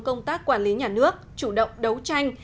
công tác quản lý nhà nước chủ động đấu tranh